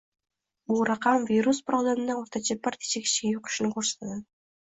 Bu raqam virus bir odamdan o'rtacha bir necha kishiga yuqishini ko'rsatadi